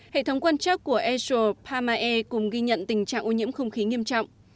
hệ thống quan chắc của airshow pamae cùng ghi nhận tình trạng ô nhiễm không khí nghiêm trọng